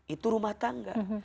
itu rumah tangga